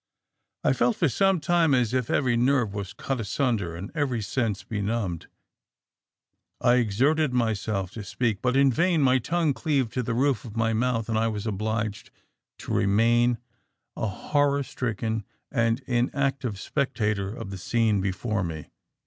"I felt for some time as if every nerve was cut asunder and every sense benumbed. "I exerted myself to speak, but in vain; my tongue cleaved to the roof of my mouth, and I was obliged to remain a horror stricken and inactive spectator of the scene before me.